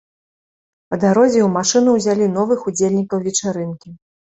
Па дарозе ў машыну ўзялі новых удзельнікаў вечарынкі.